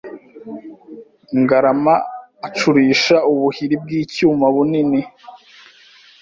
Ngarama acurisha ubuhiri bw'icyuma bunini